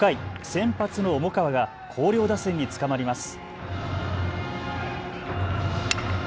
先発の重川が広陵打線につかまります。